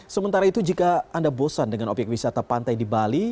sementara itu jika anda bosan dengan obyek wisata pantai di bali